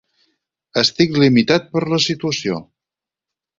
Estic limitat per la situació.